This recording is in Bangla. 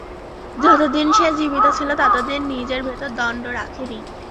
যতদিন সে জীবিত ছিল, ততদিন নিজেদের ভেতর দ্বন্দ্ব রাখি নি।